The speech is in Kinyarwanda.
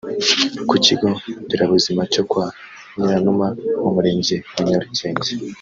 Ku kigo Nderabuzima cyo Kwa Nyiranuma mu murenge wa Nyarugenge